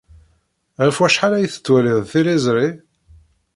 Ɣef wacḥal ay tettwaliḍ tiliẓri?